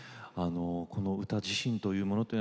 この歌自身というもの